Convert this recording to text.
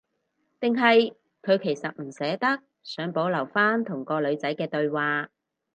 定係佢其實唔捨得，想保留返同個女仔嘅對話